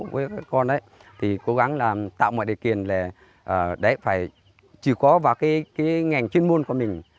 với các con thì cố gắng là tạo mọi điều kiện là phải chỉ có vào cái ngành chuyên môn của mình